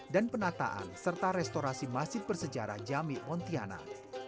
dan penataan serta restorasi masjid bersejarah jami pontianak